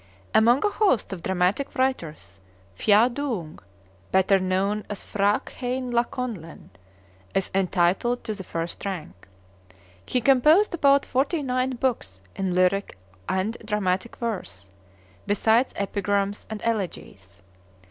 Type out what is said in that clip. Among a host of dramatic writers, Phya Doong, better known as P'hra Khein Lakonlen, is entitled to the first rank. He composed about forty nine books in lyric and dramatic verse, besides epigrams and elegies.